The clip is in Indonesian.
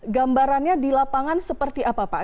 gambarannya di lapangan seperti apa pak